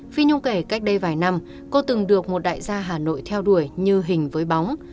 phi nhung kể cách đây vài năm cô từng được một đại gia hà nội theo đuổi như hình với bóng